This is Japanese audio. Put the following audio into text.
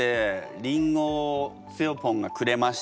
りんごをつよぽんがくれまして。